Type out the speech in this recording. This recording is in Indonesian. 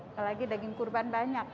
apalagi daging kurban banyak